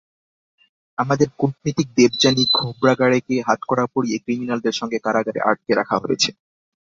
আমাদের কূটনীতিক দেবযানী খোবরাগাড়েকে হাতকড়া পরিয়ে ক্রিমিনালদের সঙ্গে কারাগারে আটকে রাখা হয়েছে।